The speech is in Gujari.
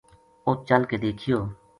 اُت چل کے دیکھیو